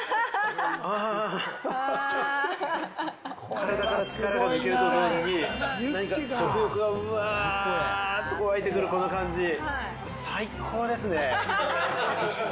体から力が抜けると同時に、なんか食欲がうわーっとわいてくるあの感じ、最高ですね。